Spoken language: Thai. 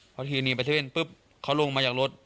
พอขี่รถหนีไปเซเว่นปุ๊บเขาลงมาจากรถ